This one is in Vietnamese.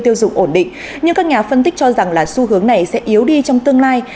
tiêu dùng ổn định nhưng các nhà phân tích cho rằng là xu hướng này sẽ yếu đi trong tương lai